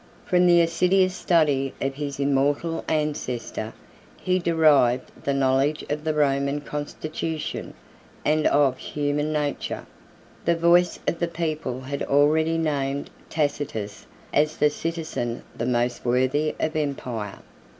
From the assiduous study of his immortal ancestor, he derived the knowledge of the Roman constitution, and of human nature. 9 The voice of the people had already named Tacitus as the citizen the most worthy of empire.